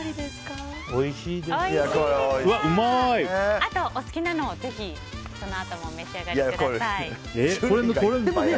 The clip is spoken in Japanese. あとお好きなのをぜひそのあともお召し上がりください。